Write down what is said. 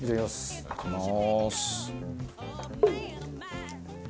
いただきまーす。